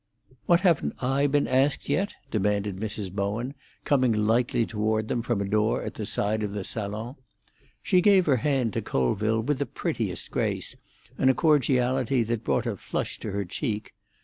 "What haven't I been asked yet?" demanded Mrs. Bowen, coming lightly toward them from a door at the side of the salon. She gave her hand to Colville with the prettiest grace, and a cordiality that brought a flush to her cheek.